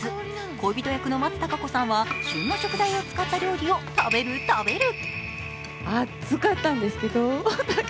恋人役の松たか子さんは旬の食材を使った料理を食べる、食べる。